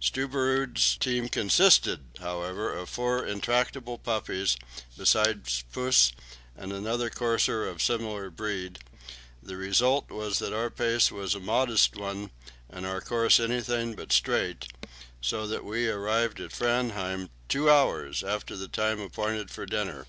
Stubberud's team consisted, however, of four intractable puppies, besides Puss and another courser of similar breed; the result was that our pace was a modest one and our course anything but straight, so that we arrived at Framheim two hours after the time appointed for dinner.